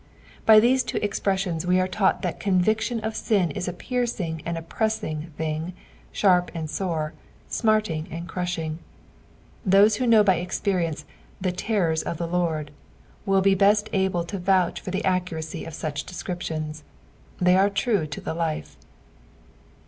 By these two expresMons we are taught that conviction of sin is a piercing and a presaing thing, sharp and sore, smarting and crushing. Those who know b; experience " the terrors of the Lard," will be beat able to rouch for the accur acy of snch descriptions ; the; are true to the life.